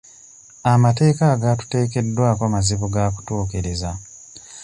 Amateeka agaatuteekeddwako mazibu gaakutuukiriza.